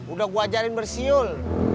udah gue ajarin bersiul